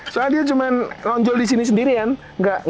soalnya dia cuman lonjol disini sendiri kan